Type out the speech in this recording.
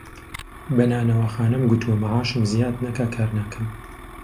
بە نانەواخانەم گوتووە مەعاشم زیاد نەکا کار ناکەم